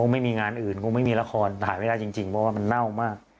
ไม่มีงานอื่นคงไม่มีละครถ่ายไม่ได้จริงเพราะว่ามันเน่ามาก